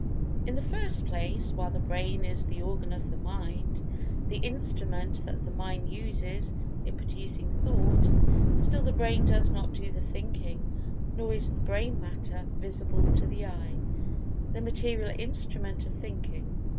In the first place, while the Brain is the Organ of the Mind—the Instrument that the Mind uses in producing Thought, still the Brain does not do the thinking, nor is the brain matter visible to the eye, the material instrument of thinking.